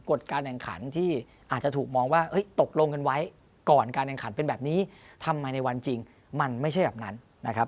การแข่งขันที่อาจจะถูกมองว่าตกลงกันไว้ก่อนการแข่งขันเป็นแบบนี้ทำไมในวันจริงมันไม่ใช่แบบนั้นนะครับ